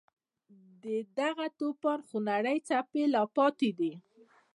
د دغه توپان خونړۍ څپې لا پاتې دي.